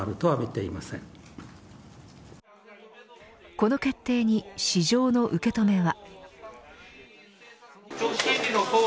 この決定に市場の受け止めは。